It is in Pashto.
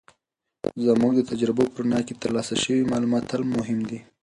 زموږ د تجربو په رڼا کې، ترلاسه شوي معلومات تل مهم دي.